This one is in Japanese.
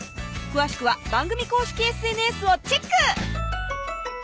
詳しくは番組公式ＳＮＳをＣＨＥＣＫ！